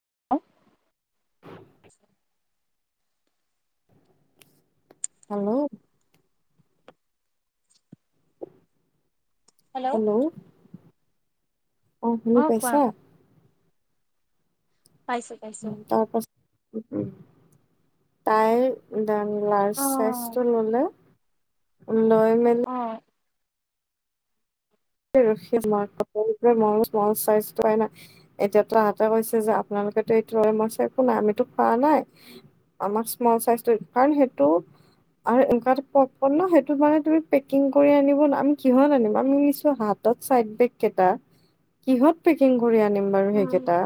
[inaudible] Hello hello অহ শুনি অ কোৱা পাইছা পাইছো পাইছো তাইৰ উ [unintelligible] লাৰ্জ অ চাইজটো ললে। লয় মেল [unintelligible] মই বোলো স্মল চাইজ টো পাই না এতিয়াটো তাহাতে কৈছে যে আপোনালোকেটো এইটো মই কৈছোঁ একো নাই আমিতো খোৱা নাই আমাক স্মল চাইজটো কাৰণ সেইটো আৰু এনেকুৱা যে পপকন ন সেইটো মানে তুমি পেকিং কৰি আনিব আমি কিহত আনিব বাও আমি হাতত চাইড বেগ কেইটা কিহত পেকিং কৰি আনিম বাৰু উম সেইকেইটা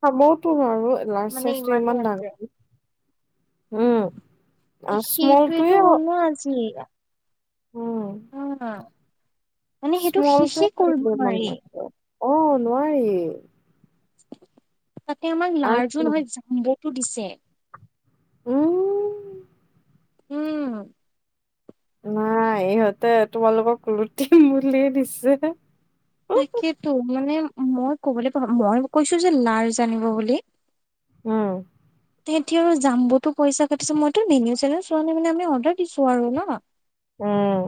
খাবওতো নোৱাৰো। লাৰ্ছ চাইজটো ইমান ডাঙৰ। উম স্মলটোৱে সেইটোৱেইটো হ'ল নহ আজি। উম অ মানে সেইটো শেষে কৰিব নোৱাৰি। অহ নোৱাৰি। তাতে আমাৰ লাৰ্জো আৰু নহয় জাম্ব। ইতু দিছে। উম। উম। নাই ইহঁতে তোমালোকক লুটিম বুলিয়ে দিছে। তাকেটো মানে মই কবলৈ [unintelligible] মই কৈছোঁ যে লাৰ্জ আনিব বুলি। উম। তেহতি আৰু জাম্বতো পইচা কাটিছে মইতো মেনু চেন চোৱা নাই মানে আমি অৰ্ডাৰ দিছোঁ আৰু নহ। উম।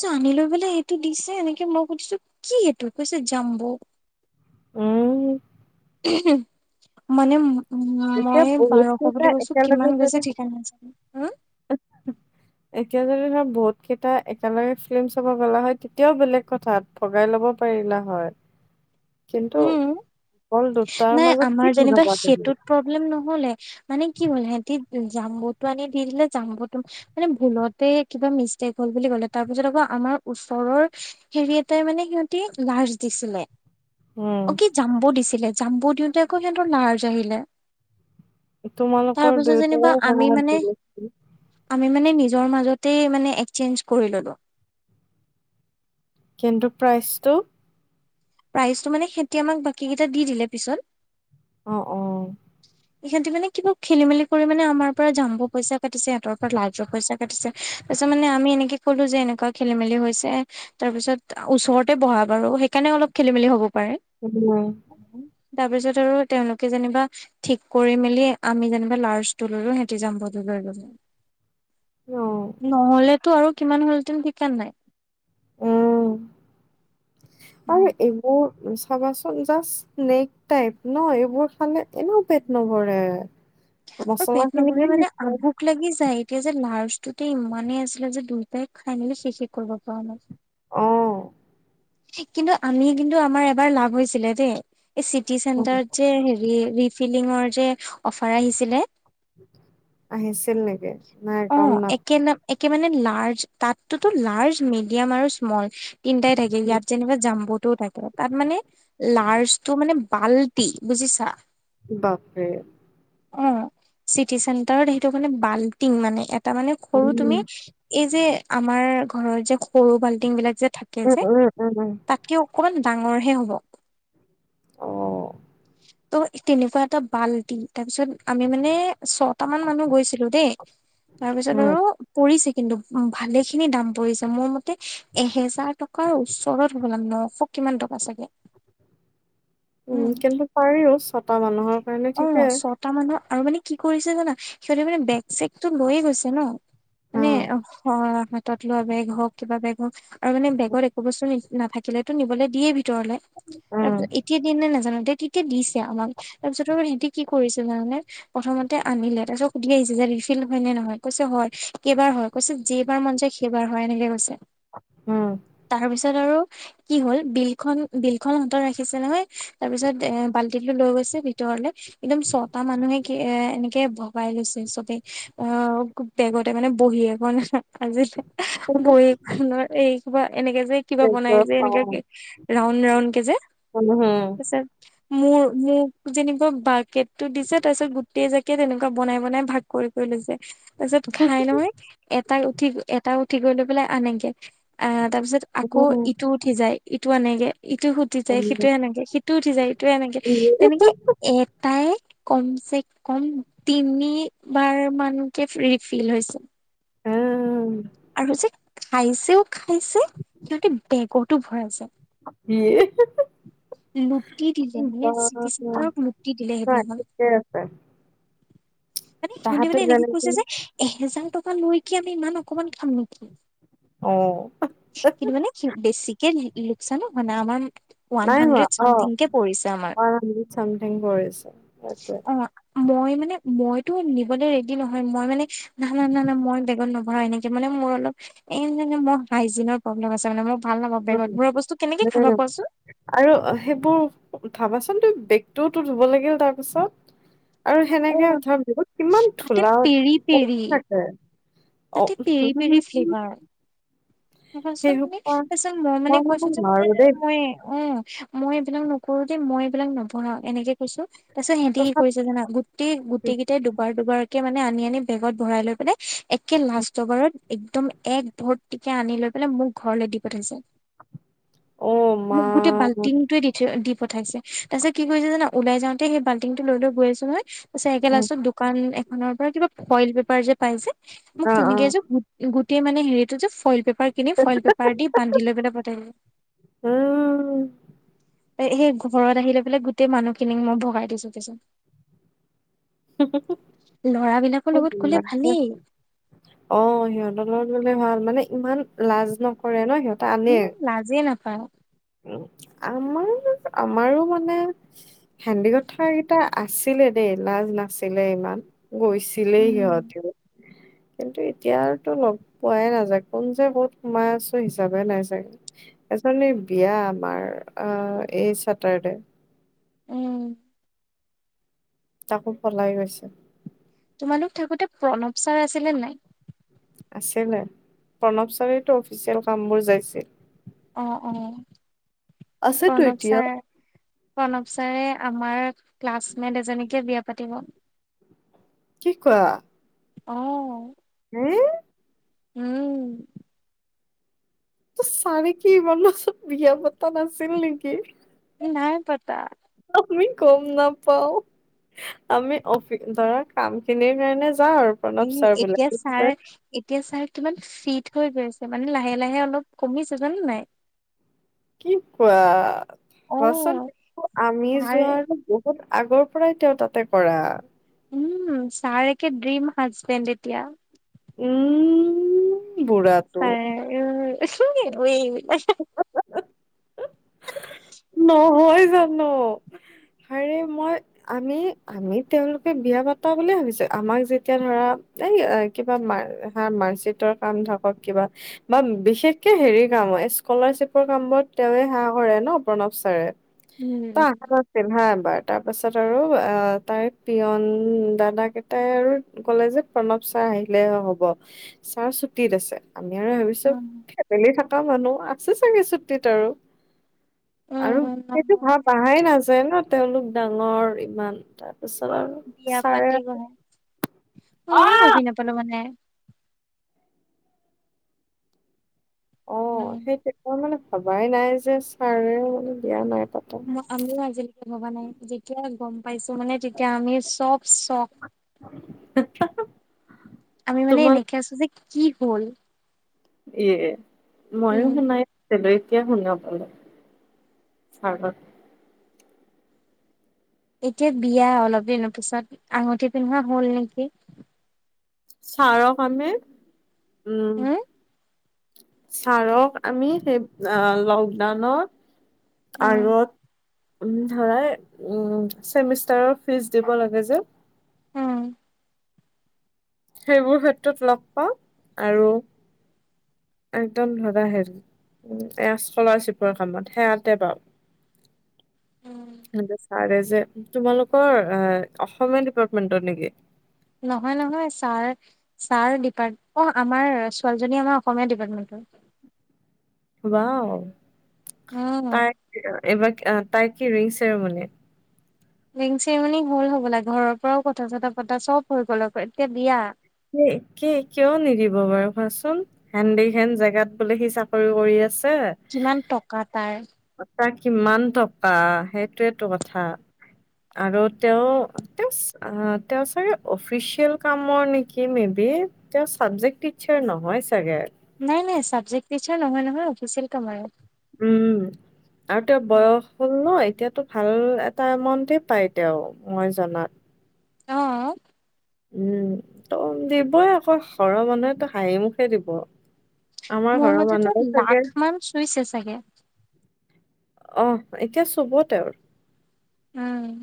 চ' আনি লৈ পেলাই সেইটো দিছে এনেকে মই সুধিছোঁ কি এইটো কৈছে জাম্ব। উম মানে। উম এতিয়া মই বহুত বাৰশ কেইটা বুলি কৈছোঁ একেলগে কিমান যদি গৈছে ঠিকে নাই উম। এতিয়া যদি ধৰ বহুত কেইটা একেলগে ফিল্ম চাব গলা হয় তেতিয়াও বেলেগ কথা ভগাই লব পাৰিলা হয়। কিন্তু। উম অকল দুটাৰ মাজত কি কথা পাতিম। লেম নহ'লে মানে কি হল সিহতি জাম্বটো আনি দি দিলে জাম্বটো মানে ভুলতে কিবা মিষ্টেক হল বুলি কলে তাৰপিছত আকৌ আমাৰ ওচৰৰ হেৰি এটাই মানে সিহতি লাৰ্জ দিছিলে। উম অ কি জাম্ব দিছিলে। জাম্ব দিওঁতে আকৌ সিহঁতৰ লাৰ্জ আহিলে। তাৰ তোমালোকৰ পিছত যেনিবা দুইটাৰে। আমি মানে [unintelligible] আমি মানে নিজৰ মাজতে মানে এক্সচেঞ্জ কৰি ল'লো। কিন্তু প্ৰাইচটো। প্ৰাইচটো মানে সিহঁতি বাকীকেইটা দি দিলে পিচত। অ অ অ। ইহঁতি মানে কিবা খেলি-মেলি কৰি মানে আমাৰ পৰা জাম্ব পইচা। পাতিছে সিহঁতৰ পৰা লাৰ্জৰ পইচা। তাৰ পিছত মানে আমি এনেকে ক'লো যে এনেকুৱা খেলি-মেলি হৈছে তাৰ পিছত ওচৰতে বহা বাৰু সেইকাৰণে অলপ খেলি-মেলি হব। পাৰে। উম, [unintelligible] তাৰপিছত আৰু তেওঁলোকে যেনিবা। ঠিক কৰি মেলি আমি যেনিবা লাৰ্জতো ল'লো সিহঁতি জাম্বটো লৈ ল'লে। অ', [inaudible] নহলেটো আৰু। কিমান হ'ল হেতেন ঠিক-কাণ নাই। উম। আৰু এইবোৰ। চাবাচোন জাষ্ট স্নকেচ টাইপ নহ এইবোৰ খালে এনেও পেট নভৰে। অ মচলা পেট নভৰে খিনিহে মানে দিছে অ'। ভুক লাগি যায় তিয়া যে লাৰৰ্জ ইতু ইমানেই আছিলে যে দুই খাইমেলি শেষে কৰিব পৰা নাই কিন্তু আমি কিন্তু আমাৰ এবাৰ লাভ হৈছিলে দেই এই চিটি অ', চেণ্টাৰত যে হেৰি ৰিফিলিঙৰ যে অফাৰ আহিছিলে আহিছিল নেকি নাই অ কম ন একে নাম একে লাজ তাতো লাজ মিদিয়াম আৰু ইচমল ইয়াত যেনিব যাম ব টো থাকে তাত মানে লাৰ্চটো মানে পাল্টি বুজিছা বাকে অ চিটি চেণ্টাৰত সেইটো মানে বাল্টিং মানে তাৰমানে উম, সৰু তুমি এই যে আমাৰ ঘৰৰ যে সৰু বাল্টিং বিলাক যে থাকে উম, যে উম, উম, উম, তাতকে অকমান ডাঙৰহে হ'ব আহ ত' তেনেকুৱা এটা বাল্টি তাৰপিছত আমি মানে ছট মান মানুহ গৈছিলো দেই তাৰপিছত উম, আৰু পৰি কিন্তু উ ভালে খিনি দাম পৰিছে মোৰ মতে এহেজাৰ টকাৰ উচ হব লাম নশ কিমান টকা চাগে উম কিন্তু পাৰিওব ক মানুহৰ কাৰণে অ ঠিকে। ছটা মানৰ আৰু মানে কি কৰিছে জানা সিহঁতি মানে চেকতো লৈয়ে গৈছে ন মানে উম, তত লোৱা বেগ হওক কিবা বেগ হওক আৰু মান বেগত একো বস্তু নেকি নাথাকিলেতো নিবলৈ দিয়েই ভিতৰলে উম, তাৰপিত এতিয়া দিন নে নাজানো দে দিছে আমাক তাৰপিছত। স কি কৰিছিল তাৰানে প্ৰথমতে আনিলে তাৰ পিছত সুধি আহিছে যে ৰিফিল হয় নে নহয় কৈছে হয় কেইবাৰ হয় কৈছে য বাৰ মন যায় সেইবাৰ হয় এনেকে কৈছে। উম তাত আৰু কি হ'ল বিল খন বিল খন হাতত ৰাখিছে নহয় তাৰ পিছত এ বাল লৈ গৈছে ভিত ভিতৰত লে একদম ছটা মানুহে কি এ এনেকে ভগাই লৈছে চবে, অ' বেগতে মানে বহী এখন আছিলে বহীখনৰ এই কিবা এনেকে যে কিবা বনাই যে, এনেক অ', ৰাউণ্ড ৰাউণ্ড কে যে উম, তাৰ পিছত মোৰ মো মোক যেনেকোৱা বাহকেট তো দিছে, তাৰপিছত গোটেই জাগ কেত তেনেকুৱা বনাই, বনাই ভাগ কৰি কৰি লৈছে। তাৰপিছত খাই নহয়, এটা উঠি এটা উঠি গৈ লৈ পেলাই আনেগে। আহ তাৰ পিছত আকৌ উম, ইটো উঠি যায় ইটো আনেগে, ইটো উঠি যায় উম। সিটোয়ে আনেগে, সিটো উঠি যায় ইটোয়ে আনেগে। [unintelligible] এটাই- কমছে ক'ম তিনি বাৰ মানকে ৰিফিল হৈছে। উম। আৰু যে খাইছেও। খাইছে সিহঁতে বেগতো ভৰাইছে, ইয়ে লুটি দিলে বা মানে চিটি নাই চেণ্টাৰক লুটি দিলে সেইদিনাখন। ঠিকে আছে মানে সিহঁতি তাহাঁতে মানে এনেকে যেনেকে কৈছে যে এহেজাৰ ট লৈকে আমি ইমান অকমান খাম নেকি? অ কিন্তু মানে কি বেছিকে লোকচানো। মানে আমাৰ ওৱান নাই হোৱা, হাণ্ড্ৰেড চামথিং অ' কে পৰিছে আমাৰ। ৱান হাণ্ড্ৰেড ছামথিং পৰিছে, সেইটোৱে। অ', মই মানে মইতো নিবলে ৰেডি নহয়, মই মানে না না না না মই বেগত নভৰাও। এনেক কে মানে মোৰ অলপ এই মানে মোৰ হাইজিনৰ প্ৰব্লেম আছে মানে মোৰ। উ-উম, আৰু সেইবোৰ ভাবাচোন তুমি বেগটোওতো ধুব লাগিল তাৰপিছত। আৰু সেনেকে অ', ধৰা, বহুত কিমান তাতে ধোলা পেৰি পৰি পেৰি থাকে। অ তাতে পেৰি, উম, পেৰি ফ্লেভাৰ। চোন সেই তুমি সোপা তাৰপিছত, মই মানে কৈছো যে না না মই অ'' মই এইবিলাক নকৰো দেই, মই এইবিলাক নবঢ়াও এনেকে কৈছো তাৰিছত সিহঁতি কি তথাপি কৰিছে জানা, গোটেই গোটেই কেইটাই দুবাৰ দুবাৰ কে মানে আনি আনি বেগত ভৰাই লৈ পিনে। একে লাষ্ট বাৰত একদম এক ভৰ্তি। কে আনি লৈ পেলাই মোক ঘৰলে দি পঠাইছে। অ মা মোক গোটেই অ বাল্টিটো দিছে। পঠাইছে তাৰ পিছত কি কৰিছে জানা ওলাই যাওঁতে সেই বাল্টি টো লৈ লৈ গৈ আছোঁ নহয়। চাইকেল আছো দোকান এক। নৰ পৰা কিবা ফইল পেপাৰ যে পাই যে। মোক অ তেনেকে এযোৰ গোটেই মানে হেৰিটো যে। ফইল পেপাৰ কিনি ফইল পেপাৰ দি বান্ধি লৈ পঠাই। এ সেই ঘৰত আহি লৈ পেলাই গোটেই মানুহখিনিক মই ভগাই দিছোঁ পিছত। স [unintelligible] ল'ৰাবিলাকৰ লগত গ'লে ভালেই অ সিহঁতৰ লগত গলে ভাল। মানে ইমান লাজ নকৰে নহ সিহঁত। উম লাজেই নাপায়। আমাৰ আমাৰো মানে সেন্দিকত থকা কেইটা আছিলে দেই লাজ নাছিলে ইমান। গৈছিলেই উম সিহঁতেও। কিন্তু এতিয়া তো লগ পোৱাই নাযায় কোন যে ক'ত সোমাই আছোঁ হিচাপে নাই চাগে এজনী। বিয়া আমাৰ এই চেটাৰডে। উম তাকো পলাই গৈছে। তোমালোক থাকোতে প্ৰণৱ ছাৰ আছিলে নাই। আছিলে প্ৰণৱ ছাৰতো অফিচিয়েল কামবোৰ যাইছিল। অ অ। আছেটো প্ৰণৱ এতিয়া। ছাৰ প্ৰণৱ ছাৰে আমাৰ। ক্লাছমেট এজনীকে বিয়া। পাতিব কি কোৱা। অ। হে। উম। চাৰে কি মানে বিয়া পতা নাচিল নেকি? নাই পাতা আমি গম নাপাওঁ আমি অফি ধৰা কাম খিনিৰ কাৰণে যাওঁ আৰু প্ৰণৱ এহ ছাৰ বোলে এতিয়া ছাৰ এতিয়া ছাৰ কিমান ফিট হৈ গৈছে মানে লাহে লাহে অলপ কমিছে জানা নাই কি কোৱা বচোন অ', আমি ছাৰ যোৱা বহুত অ আগৰ পৰাই তেওঁ তাতে কৰা উম ছাৰ একে ড্ৰিম হাজবেণ্ড এতিয়া উম বুঢ়াটো ছাৰে [unintelligible] [unintelligible] [unintelligible] হয় জানো হাৰে মই আমি আমি তেওঁলোকে বিয়া পাতা বুলিয়ে ভাবিছো আমাক যেতিয়া ধৰা এই কিবা ম হ মাৰ্কশ্বিটৰ কাম থাকক কিবা বা বিশেষকে হেৰি কাম স্কলাৰশ্বিপৰ কামবোৰত তেওঁৱে হা কৰে নস প্ৰণৱ ছাৰে উম [unintelligible] হা এবাৰ তাৰ পাছত আৰু অহ তাইৰ পিয়ন দাদা কেইটাই আৰু কলে যে প্ৰণৱ ছাৰ আহিলে হ'ব ছাৰ ছুটিত আছে আমি আৰু ভাবিছো উম। ফেমেলি থকা মানুহ আছো চাগে ছুটিত আৰু আৰু উম সেইটো ভাল নহয় আহাই নাছিল [unintelligible] ন তেওঁলোক ডাঙৰ ইমান তাত তাৰপিছত আৰু বিয়া ছাৰে পাতিবহে অ ময়ো ভাবি নাপালো মানে অহ উম। সেইটো মানে ভাবাই নাই যে ছাৰেও বিয়া নাই পাতা আমিও আজিলৈকে ভবা নাই যেতিয়া গম পাইছো মানে তেতিয়া আমি চব ছক আমি মানে তোমাক এনেকে আছো যে কি হ'ল এয়ে ময়ো উম। শুনাই নাছিলো এতিয়া শুনা পালে এতিয়া বিয়া অলপ দিনৰ পিছত আঙুঠি পিন্ধোৱা হ'ল নেকি ছাৰক আমি উম উম ছাৰক আমি সেই লকডাউনত উম আৰত ধৰা চেমিষ্টাৰৰ ফিজ দিব লাগে যে, উম! সেইবোৰ ক্ষেত্ৰত লগ পাওঁ আৰু একদম ধৰাশ এয়া স্কলাৰশ্বিপৰ কামত সেয়াতে পাওঁ, হ ব! তাৰে যে তোমালোকৰ অসমীয়া ডিপাৰ্টমেন্টৰ নেকি? নহয় নহয় ছাৰ ছাৰ ডিপাৰ্ট অ আমাৰ ছোৱালীজনী আমাৰ অসমীয়া ডিপাৰ্টমেন্টৰ ব উম তাই এবাৰ তাই কি ৰিং চেৰমনিয়, ৰিং চেৰিমনী হ'ল হ'বলাগ ঘৰৰ পৰাও কথা চথা পতা চব হৈ গ'ল আকৌ এতিয়া বিয়া। কিয় নিদিব বাৰু কোৱাচোন হেন দে হেন জেগাত বোলে সি চাকৰি কৰি আছে। কিমান টকা তাৰ কিমান টকা সেইটোয়টো কথা আৰু তেওঁ তে তেওঁ চাগে অফিচিয়েল কামৰ নি কি মে বি তেওঁ চাবজেক্ট টিচাৰ নহয় চাগে। নাই নাই চাবজেক্ট টিচাৰ নহয় নহয় অফিচিয়েল কামাৰ, উম আৰু তেওঁ বয়স হ'ল ন এতিয়া, ভাল এটামণ্টে পাই তেওঁ মই জনাত, অ উম ত দিবই আকৌ ঘৰৰ মানুহে হাঁহি মুুখে দিব। আমাৰ মোৰ ঘৰৰ মতেতো মানুহো চাগে লাখ মান চুইছে চাগে, আহ এতিয়া চব তেওঁৰ উম!